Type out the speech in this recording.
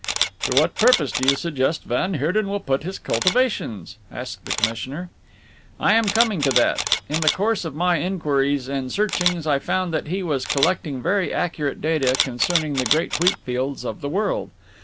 "To what purpose do you suggest van Heerden will put his cultivations?" asked the commissioner. "I am coming to that. In the course of my inquiries and searchings I found that he was collecting very accurate data concerning the great wheatfields of the world.